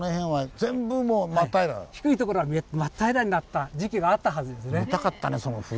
低い所は真っ平らになった時期があったはずですね。